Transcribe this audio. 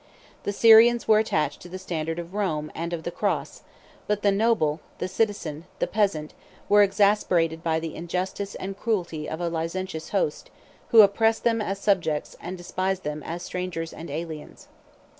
The Syrians were attached to the standard of Rome and of the cross: but the noble, the citizen, the peasant, were exasperated by the injustice and cruelty of a licentious host, who oppressed them as subjects, and despised them as strangers and aliens.